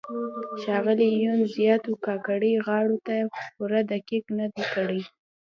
ښاغلي یون زیاتو کاکړۍ غاړو ته پوره دقت نه دی کړی.